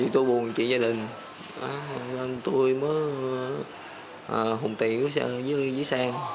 tôi buồn chị gia đình tôi mới hùng tiểu dưới sàn